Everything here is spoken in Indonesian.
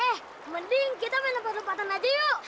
eh mending kita main tempat lompatan aja yuk